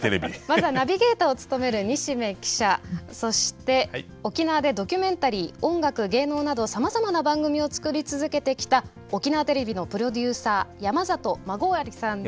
まずはナビゲーターを務める西銘記者そして沖縄でドキュメンタリー音楽芸能などさまざまな番組を作り続けてきた沖縄テレビのプロデューサー山里孫存さんです。